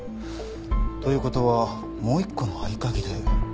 という事はもう１個の合鍵で。